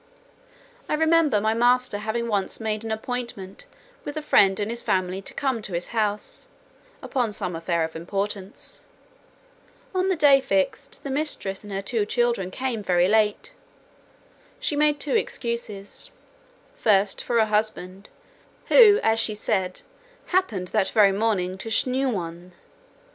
I remember my master having once made an appointment with a friend and his family to come to his house, upon some affair of importance: on the day fixed, the mistress and her two children came very late; she made two excuses, first for her husband, who, as she said, happened that very morning to shnuwnh.